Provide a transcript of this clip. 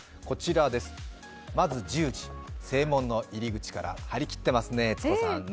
こちら、まず１０時正門の入り口から張り切ってますね、悦子さん。